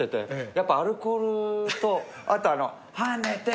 やっぱアルコールとあとあの「跳ねて跳ねて！」